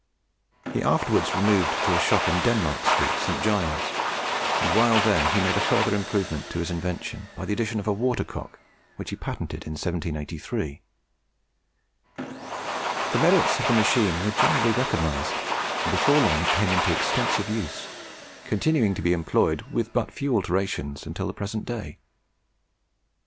He afterwards removed to a shop in Denmark Street, St. Giles's, and while there he made a further improvement in his invention by the addition of a water cock, which he patented in 1783. The merits of the machine were generally recognised, and before long it came into extensive use, continuing to be employed, with but few alterations, until the present day.